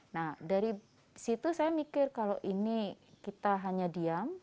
nah dari situ saya mikir kalau ini kita hanya diam